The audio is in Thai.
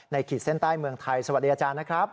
ขีดเส้นใต้เมืองไทยสวัสดีอาจารย์นะครับ